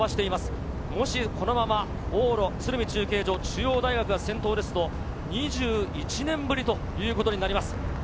もしこのまま往路鶴見中継所、中央大学が先頭ですと、２１年ぶりということになります。